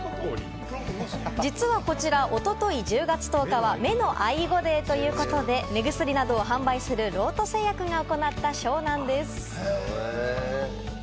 実はこちら、おととい１０月１０日は目の愛護デーということで、目薬などを販売するロート製薬が行ったそうなんです。